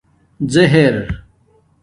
زہر